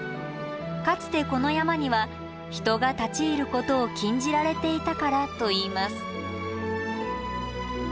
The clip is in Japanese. かつてこの山には人が立ち入ることを禁じられていたからといいます。